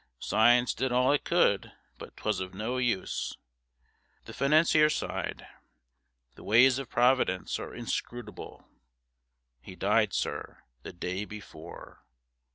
Science did all it could, but 'twas of no use ' The financier sighed. 'The ways of Providence are inscrutable. He died, sir, the day before.'